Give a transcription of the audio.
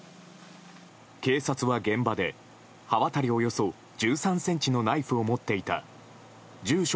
警察は現場で刃渡り１３ｃｍのナイフを持っていた住所